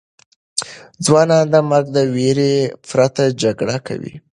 ځوانان د مرګ د ویرې پرته جګړه کوي.